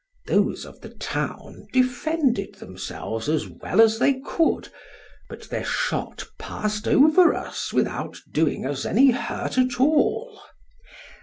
Those of the town defended themselves as well as they could, but their shot passed over us without doing us any hurt at all.